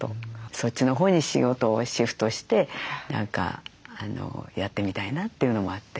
そっちのほうに仕事をシフトして何かやってみたいなというのもあって。